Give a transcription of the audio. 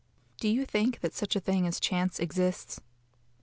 Do you think that such a thing as chance exists?